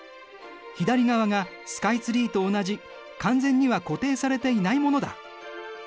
左側がスカイツリーと同じ完全には固定されていないものだ。